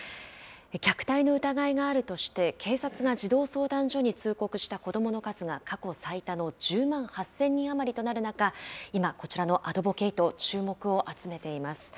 虐待の疑いがあるとして警察が児童相談所に通告した子どもの数が過去最多の１０万８０００人余りとなる中、今、こちらのアドボケイト、注目を集めています。